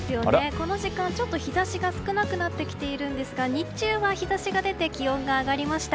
この時間、ちょっと日差しが少なくなってきているんですが日中は日差しが出て気温が上がりました。